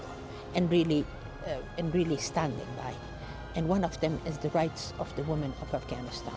dan salah satunya adalah hak wanita afganistan